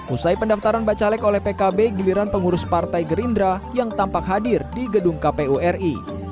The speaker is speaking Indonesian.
usai pendaftaran bacalek oleh pkb giliran pengurus partai gerindra yang tampak hadir di gedung kpu ri